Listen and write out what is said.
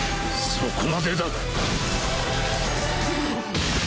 そこまでだ。